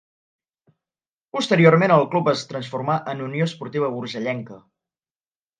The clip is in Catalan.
Posteriorment el club es transformà en Unió Esportiva Urgellenca.